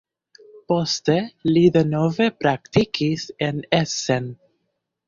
Poste li denove praktikis en Essen.